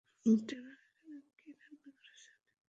ডিনারের জন্য কী রান্না করেছো?